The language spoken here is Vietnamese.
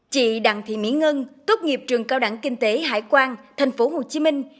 chị đặng thị mỹ ngân tốt nghiệp trường cao đẳng kinh tế hải quan thành phố hồ chí minh